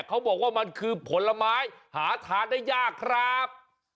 เขาบอกว่ามันคือผลไม้หาทานได้ยากครับ